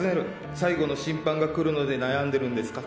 「最後の審判が来るので悩んでるんですか？」